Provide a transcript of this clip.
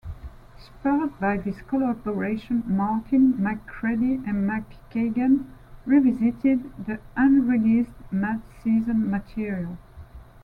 Spurred by this collaboration, Martin, McCready and McKagan revisited the unreleased Mad Season material.